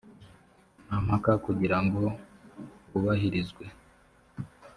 nta mpaka kugira ngo hubahirizwe